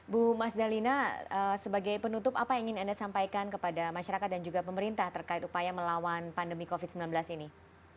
bu mas dalina sebagai penutup apa yang ingin anda sampaikan kepada masyarakat dan juga pemerintah terkait upaya melawan pandemi covid sembilan belas ini